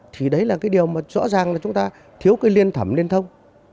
thì đấy là cái điều mà rõ ràng là chúng ta thiếu cái liên thẩm liên thông